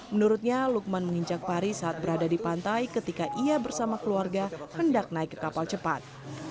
menurutnya lukman menginjak pari saat berada di pantai ketika ia bersama keluarga hendak naik ke kapal cepat